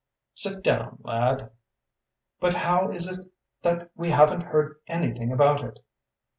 "Sit down, lad!" "But how is it that we haven't heard anything about it?"